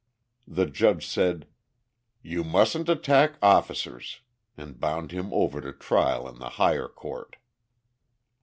The judge said: "You mustn't attack officers," and bound him over to trial in the higher court.